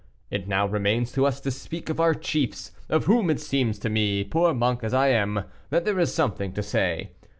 It now remains to us to speak of our chiefs, of whom it seems to me, poor monk as I am, that there is something to say.